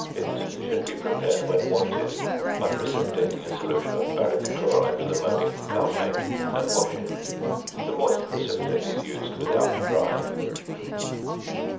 It should be prepared when wanted by precipitating a solution of baric chloride with ammonic carbonate and washing. The moist precipitate is used without drying.